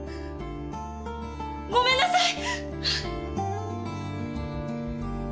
ごめんなさい！